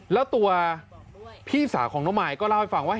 แล้วตัวพี่สาวของน้องมายก็เล่าให้ฟังว่า